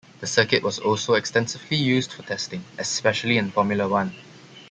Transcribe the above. The circuit was also extensively used for testing, especially in Formula One.